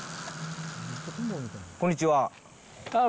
こんにちは。